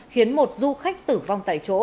khiến một du khách tử vong tại chỗ